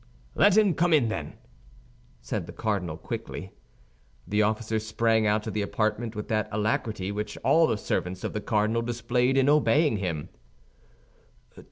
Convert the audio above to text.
"Let him come in, then!" said the cardinal, quickly. The officer sprang out of the apartment with that alacrity which all the servants of the cardinal displayed in obeying him.